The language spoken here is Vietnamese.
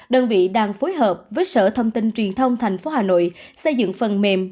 đơn vị đang phối hợp với sở thông tin truyền thông thành phố hà nội xây dựng phần mềm